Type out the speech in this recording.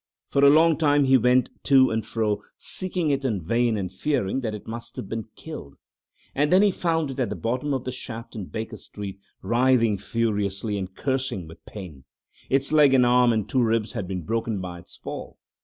For a long time he went to and fro seeking it in vain and fearing that it must have been killed, and then he found it at the bottom of the shaft in Baker Street, writhing furiously and cursing with pain. Its leg and an arm and two ribs had been broken by its fall.